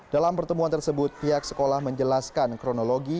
dalam pertemuan tersebut pihak sekolah menjelaskan kronologi